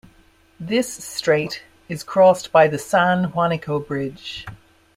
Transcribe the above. This strait is crossed by the San Juanico Bridge.